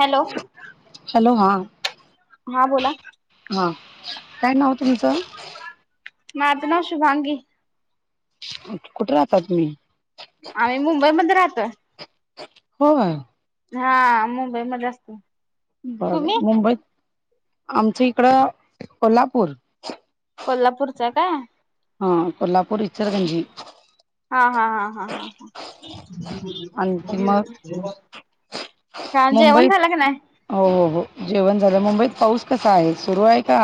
Hello. Hello हा. हा बोला. हा काय नाव तुमचं. माझं नाव शुभांगी. कुठ राहता तुम्ही. आम्ही मुंबईमध्ये राहतोय. होय. हा मुंबईमध्ये अस बर बर मुंबईत आमचं इकडं कोल्हापूर. कोल्हापूरच काय. हा कोल्हापूर इचलकरंजी. हा हा हा हा हा हा. आणखी मग हां मुंबईत जेवण झाल का नाय. हो हो हो जेवण झालं. मुंबईत पाऊस कसा आहे सुरू आहे का.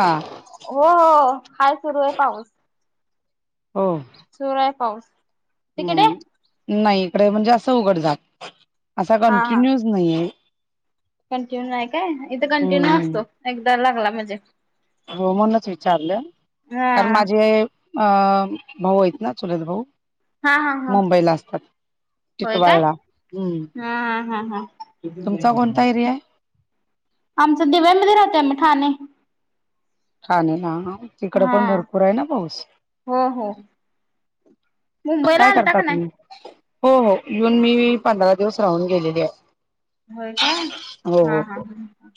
हो हो हाय सुरू आहे पाऊस. हम. सुरूआहे पाऊस. तिकडे हम्म नाही इकडे म्हणजे असं उघड झाक असा हा हा कंटिन्यूच नाहीये. कंटिन्यू नाही काय इथं कंटिन्यू हम्म असतो. एकदा लागला म्हणजे, म्हणूनच विचारलं हा कारण माझे अ भाऊ आहेत न चुलत भाऊ. हा हा हा मुंबईला असतात. होय काय टिटवाळला हम्म हा हा हा हा तुमचा कोणता एरिया आहे. आमचं दिव्यांमध्ये राहतो आम्ही ठाणे. ठाणेला हां इकडं हा पण भरपूर आहे ना पाऊस. हो हो आता मुंबईला काय आलता करता का नाही तुम्ही. हो हो येऊन मी पंधरा दिवस राहून गेलेली आहे. व्हयं काय हो हा हा हो हा.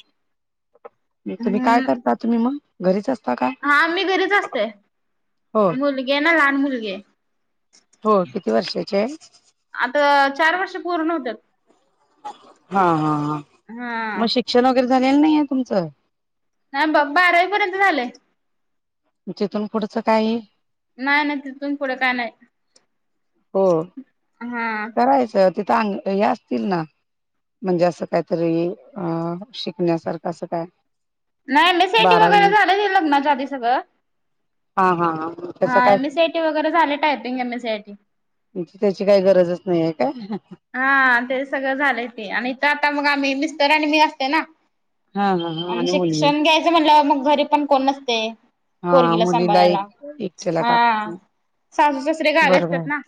तुम्ही काय हम्म करता तुम्ही मग घरीच असता का. हा मी घरीच असते. हो मुलगी ना लहान मुलगी आहे. हो किती वर्षांची आहे. आता चार वर्ष पूर्ण होत्यात. हां हां हां. हा. शिक्षण वगैरे झालेलं नाही ये तुमचं. नाही बारावी पर्यंत झाले. मग तिथून पुढचं काही. नाही नाही तिथून पुढं काय नाही. हो. हा. राहायचं तिथं अ हे असतील ना. म्हणजे असं कायतरी अ शिकण्यासारखं असं काय. नाही नाही M S C I T बारावी वगैरे नंतर झालंय लग्नाच्या आधी सगळं. हा हा हा. त्याच हा काय एम एसआयटी वगैरे झाले. Typing M SIT. म्हणजे त्याची काही गरजच नाहीये काय? हां आणि त्याचं सगळं झालंय ते आणि इथं आता मग आम्ही मिस्टर आणि मी असतोय ना हा हा हा आणि मुलगी शिक्षण घ्यायचं म्हटल्यावर मग घरी पण कोण नसतंय. हा पोरगीला मुलीला एक सांभाळायला एकट्याला हां टाकते सासू सासरे गावी असत्यात ना.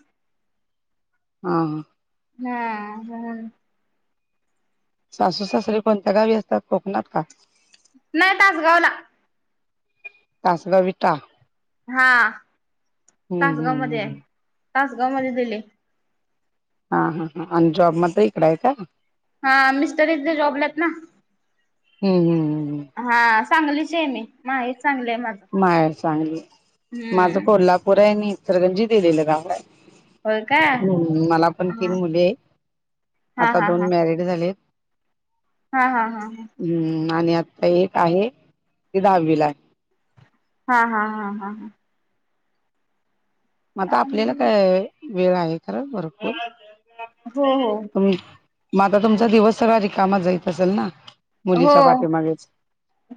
हां हां. हां म्हणून. सासू सासरे कोणत्या गावी असतात कोकणात का? नाही तासगावला. तासगाव विटा? हां हम्म तासगावमध्ये हम्म आहे तासगावमध्ये दिले. हां हां हां आणि जॉब म आता इकडं आहे काय? हां मिस्टर इथे जॉबला आहेत ना. हम्म हम्म. हां सांगलीची आहे मी माहेर सांगली आहे माझं. माहेर सांगली, माझं हम्म कोल्हापूर आहे मी इचलकरंजी दिलेलं गाव आहे. होय काय हा हम्म मला पण तीन मुली आहे हा आता हा दोन मॅरिड झाली आहेत. हां हां हां हां. हम्म आणि आता एक आहे ती दहावीला आहे. हां हां हां हां हां. मग आता आपल्याला काय वेळ आहे खरं भरपूर. हो [unintelligible] मग आता तुमचा दिवस सगळा रिकामा जाईत असेल ना? हो मुलीच्या पाठीमागेच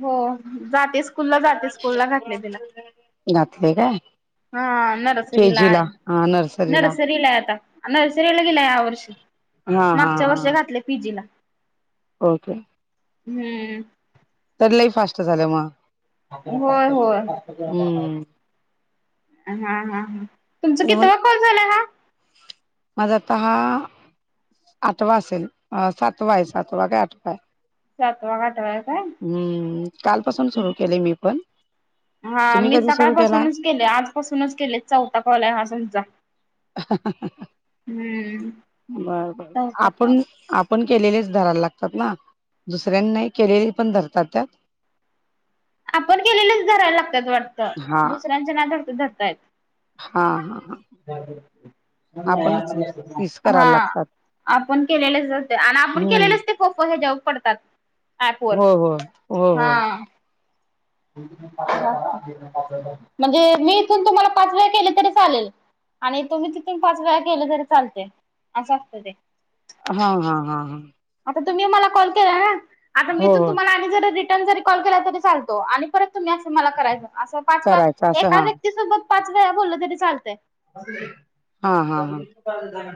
हो जाते स्कूलला जाते स्कूलला घातले तिला. घातलंय काय? हा के नर्सरीला जी ला आहे हा नर्सरीला आहे आता नर्सरीला गेल्या या वर्षी. हां हां हां. [unintelligible] पीजीला. ओके. हम्म. तर लई फास्ट झालं मग होय होय. हम्म हां हां हां तुमचं तरी कितवं पण फोन कॉल झालाय हा? माझा आता हा आठवा असेल सातवा आहे सातवा काय आठवा आहे. सातवा का आठवा काय हम्म कालपासून सुरू केले मी पण. तुम्ही कधी सुरू केलाय? केलंय आजपासूनच केलंय चौथा कॉल हा समजा. बर बर बर चौथा आपण कॉल आ पण केलेलेच धरायला लागतात ना दुसऱ्यांना केलेले पण धरतात त्यात? [inaudible] आपण केलेलेच धरायला लागतात वाटतं दुसऱ्यांचे नाय धरता धरता येत. हां हां हां. [unintelligible] तीस करायला हां लागतात आपण केलेलेच धरते आणि आपण हम्म केलेलेच ते [unintelligible] ह्याच्यावर पडतात ऍप वर हो हो हो हो हां. [unintelligible] म्हणजे मी इथून तुम्हाला पाच वेळा केले तरी चालेल. आणि तुम्ही तिथून पाच वेळा केलं तरी चालतंय असं असतं ते. हां हां हां हां. आता तुम्ही मला कॉल केला ना, आता मी हो तून हो तुम्हाला आणि जरा री रिटर्न जरी कॉल केला चालतो आणि तुम्ही असं मला करायचं, अस पाच करायचं पाच असं एका हा व्यक्तीसोबत पाच वेळा बोललं तरी चालतय. हा हा हा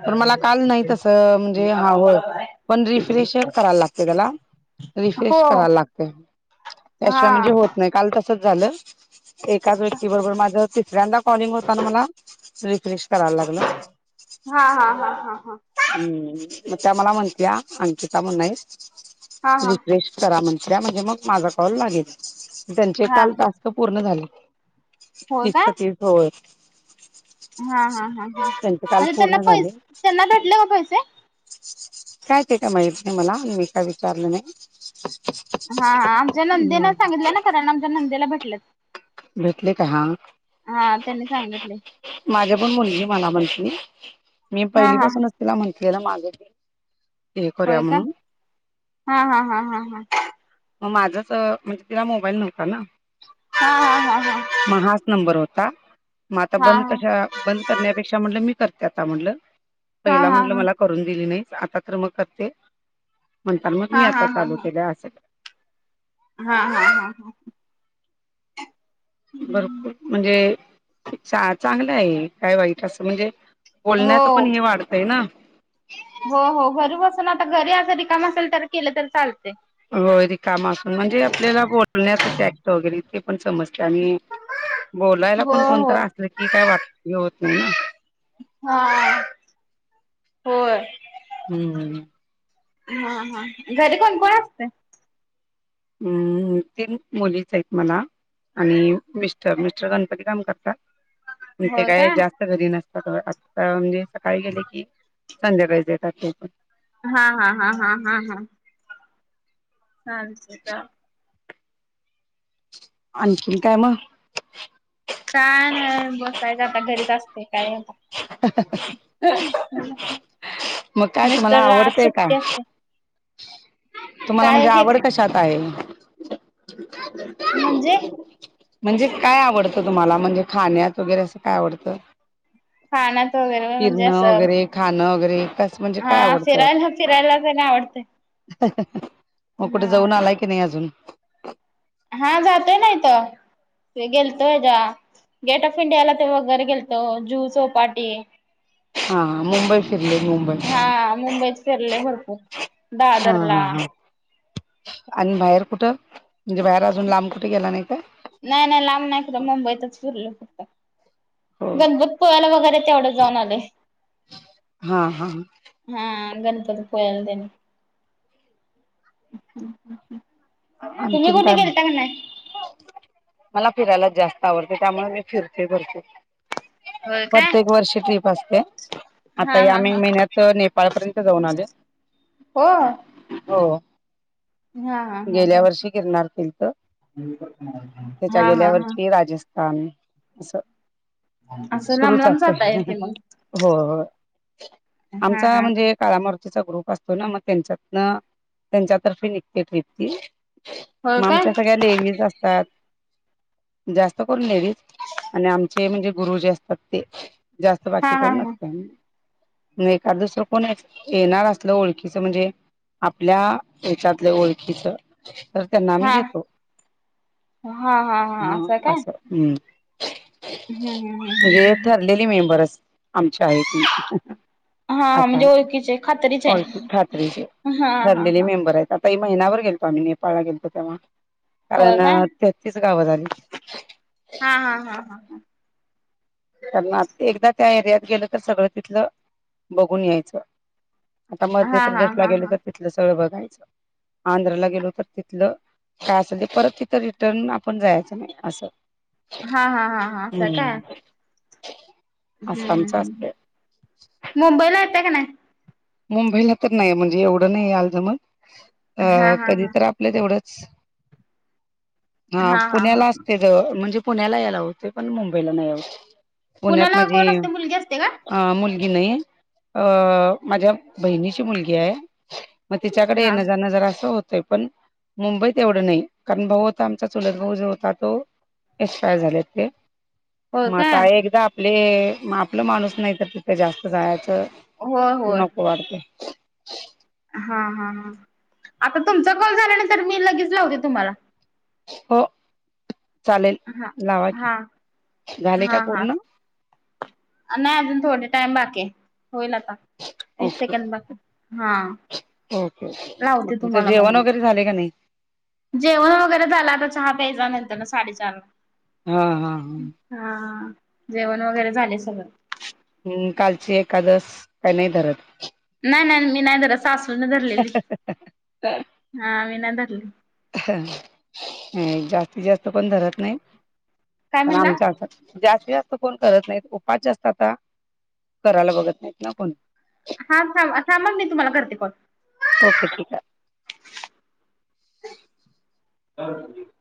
पण मला काल नाही तसं म्हणजे हा होय [unintelligible] पण रिफ्रेश करायला लागते त्याला, हो. रिफ्रेश करायला लागते. हा त्याशिवाय म्हणजे होत नाही, काल तसच झालं एकाच व्यक्ती बरोबर माझ तिसऱ्यांदा कॉलिंग होताना मला रिफ्रेश करायला लागला. हा हा हा हा हा. हम्म मग त्या मला म्हणत्या अंकिता म्हनून हा हाईत हा हा रिफ्रेश करा म्हणल्या म्हणजे मग माझा कॉल लागेल त्यांचे हा काल तास्क पूर्ण झाले. होय तीस काय च्या तीस होय. हा हा हा हा त्यांचे काल म्हणजे त्यांना पूर्ण झाले पैसे त्यांना भेटले का पैसे. काय ते काय माहिती नाही मला मी काय विचारलं नाही. हा हा आमच्या नंदेन हम्म सांगितलंय ना कारण आमच्या नंदेला भेटलं. भेटले काय हां. हा त्यांनी सांगितले माझ्या पण मुलगी मला म्हली मी हा पहिली हा पाासूनच तिला म्हंटलेलं माग होय का हा हा हा हा हा. मग माझ्यात म्हणजे तिला मोबाईल नव्हता ना. हा हा हा हा‌. म हाच नंबर होता म आता हा हा बंद कशा बंद हा करण्यापेक्षा म्हणलं मी करते आता म्हटलं, हा पहिला हा म्हटलं मला करून दिली नाही आता तर मग कर ते म्हणता मग हा मी हा हा आता चालू हा केल्या असेल. हा हा हा हा. भरपूर म्हणजे चा-चांगलं आहे काय वाईट असं म्हणजे हो बोलण्याचं पण हे वाढतंय ना. हो हो घरु बसून आता घरी अस रिकाम असेल केलं तर चालते. होय रिकाम असून म्हणजे आपल्याला बोलण्याच ट्रॅक्ट वगैरे ते पण समजते आणि बोलायला हो पण हो. कोणीतरी असलं की काय वाटलं होत नाही ना. हा होय. हम्म. हा हा घरी कोण कोण असतंय? हम्म तीन मुलीच आहेत मला. आणि मिस्टर मिस्टर गणपती काम करतात ते काय जास्त जास्त घरी नसतात आता म्हणजे सकाळी गेले की संध्याकाळी घरी येतात. हा हा हा हा हा हा. [unintelligible] आणखीन काय मग? छान हाय बसायचं आता घरीच असते कायम. मग काय तुम्हाला मिस्टर ला आज आवडतंय का सुट्टी असते. तुम्हाला काय म्हणजे हे आवड कशात आहे? म्हणजे? म्हणजे काय आवडतं तुम्हाला म्हणजे खाण्यात वगैरे असं काय आवडतं? खाण्यात वगैरे म्हणजे फिरणं असं वगैरे खाणं वगैरे कस म्हणजे हा काय आवडतं फिरायला फिरायला परी आवडत. ते मग कुठं जाऊन आलाय की नाही अजून? हां जातोय ना इथं मी गेलतो [unintelligible] गेट ऑफ इंडियाला ते वगैरे गेलो तो जीव चौपाटी हा मुंबई फिरले मुंबई हां मुंबईत फिरलोय भरपूर हा हा दादरला. हा आणि बाहेर कुठं? म्हणजे बाहेर अजून लांब कुठे गेला नाही काय? नाही नाही लांब नाही कुठं मुंबईतच फिरलोय फक्त. हो गणपतीपुळ्याला वगैरे तेवढं जाऊन आलोय. हा हा हां गणपतीपुळ्याला तेन. [unintelligible] अ तुम्ही आणखीन कुठे काय गेलता का मग? नाही मला फिरायला जास्त आवडतंय त्यामुळे मी फिरतोय भरपूर. होय काय प्रत्येक वर्षी ट्रिप असते. हा आत्ता या हा मे हा महिन्यात नेपाळपर्यंत जाऊन आले हो? हो. हा हा हा गेल्या वर्षी गिरनार केलंत हा त्याच्या हा गेल्या हा हा वर्षी राज स्थान असं. असं लांब सुरूच लांब जाताय असतंय की मग होय होय हा आमचा हा म्हणजे काळामारुतीचा ग्रुप असतो ना म त्यांच्यातन त्यांच्यातर्फे निघते ट्रिप ती. हो म काय आमच्या सगळ्या लेडीज असतात. जास्त करून लेडीज आणि आमचे म्हणजे गुरुजी असतात ते. जास्त हा बाकी हा कोण [unintelligible] म एखाद दुसरं कोण येणार असलं ओळखीच म्हणजे आपल्या याच्यातल्या ओळ खीचं तर त्यांना आम्ही हा घेतो हा हा हा हा हां काय असं. हम्म हम्म हम्म म्हणजे हम्म ठरले ले मेंबर [unintelligible] [unintelligible] आहे हा म्हणजे ओळखीचे खात्रीचे ओळखी आहे खात्रीचे हा हा ठरलेले हा मेंबर आहेत आता महिनाभर गेलतो आम्ही नेपाळला गेलतो तेव्हा होय कारण काय तेहतीस गावं झाली. हां हां हां हां हां. तर मग एकदा त्या एरियात गेलं तर सगळं तिथलं बघून यायचं. आता मध्य हा हा प्रदेशला हा हा गेलो तर तिथलं सगळं बघायचं आंध्राला गेलो तर तिथलं काय असल ते परत तिथं रिटर्न आपण जायचं नाही असं. हां हां हां हां असं काय? हम्म हम्म असं हम्म आमचं हम्म असत हम्म मुंबईला येताय का नाही? मुंबईला तर नाही म्हणजे एवढं नाही यायला जमत अ हा हा कधी हा तर आ पल्या तेवढंच हां हा हा हा पुण्याला असते [unintelligible] म्हणजे पुण्याला यायला होतंय पण मुंबईला नाही होत. पुण्यात पुण्याला कोण माझी असतंय मुलगी असत्या काय? अ मुलगी नाही अ माझ्या बहिणीची मुलगी आहे. मग तिच्याकडे हा येणं जाणं जरासं होतंय पण मुंबईत एवढं नाही कारण भाऊ होता आमचा चुलत भाऊ जो होता तो एक्स्पायर झालेत ते. होय म काय आता एकदा आपले म आपलं माणूस नाही तर तिथे जास्त जायचं होय नको वाटतंय. हां हां हां आता तुमचा कॉल झाल्यानंतर मी लगेच लावते तुम्हाला. हो चालेल हा लावा की हा झाले हा काय हा पूर्ण? नाही अजून थोडे टाईम बाकी आहे होईल आता. तीस ओके सेकंद बाकी आहे हां. ओके ओके मग तुमचं जेवण मी वगैरे झाले का नाही? जेवण वगैरे झालं आता चहा प्यायचा नंतरन साडेचार हां हां हां. हां जेवण वगैरे झालंय सगळं. हम्म कालची एकादस काय नाही धरत? नाही नाही मी नाही धरत सासूनं धरलेली हां मी नाही धरली. [unintelligible] जास्तीत जास्त कोण धरत नाही काय पण म्हणला आमच्या आता जास्तीत जास्त कोण करत नाहीत उपास जास्त आता करायला बघत नाहीत ना कोण? हां थांबा थांबा मी तुम्हाला करते कॉल. ओके ठीक आहे. [inaudible]